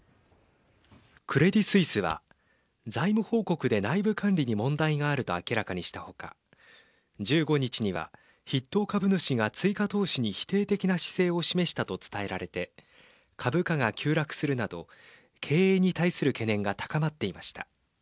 クレディ・スイスは財務報告で内部管理に問題があると明らかにした他１５日には筆頭株主が追加投資に否定的な姿勢を示したと伝えられて株価が急落するなど経営に対する懸念が高まっていました。